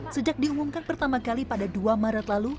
sejak diumumkan pertama kali pada dua maret lalu